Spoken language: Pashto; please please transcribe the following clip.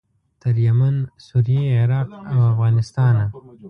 تر یمن، سوریې، عراق او افغانستانه.